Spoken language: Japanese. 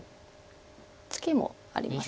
ツケもあります。